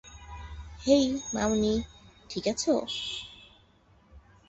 হেই, মামুনি, ঠিক আছো?